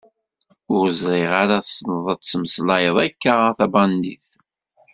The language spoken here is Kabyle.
Ur ẓriɣ ara tesneḍ ad temmeslayeḍ akka a tabandit.